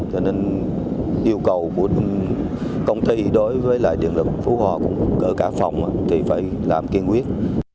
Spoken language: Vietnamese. cho nên yêu cầu của công ty đối với điện lực phú hòa cả phòng thì phải làm kiên quyết